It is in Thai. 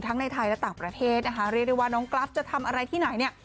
ทั้งในไทยและต่างประเทศเรียกได้ว่าน้องกลั๊ฟจะทำอะไรที่ไหน